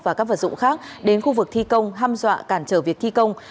và các vật dụng khác đến khu vực thi công ham dọa cản trở việc thi công